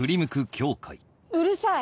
うるさい！